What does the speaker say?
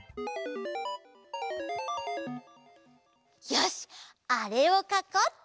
よしあれをかこうっと！